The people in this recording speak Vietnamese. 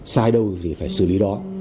sai đâu thì phải xử lý đó